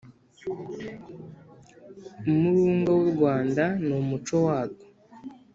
Umurunga w'u Rwanda ni umuco warwo